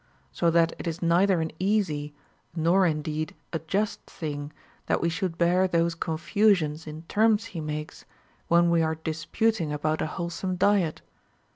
So that it is neither an easy nor indeed a just thing, that Ave should bear those confusions in terms he makes, when we are disputing about a wholesome diet.